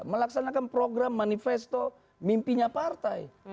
melaksanakan program manifesto mimpinya partai